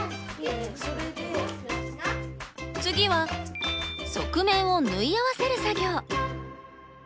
次は側面を縫い合わせる作業。